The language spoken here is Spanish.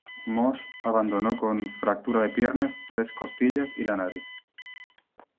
Moss abandonó con fractura de piernas, tres costillas y la nariz.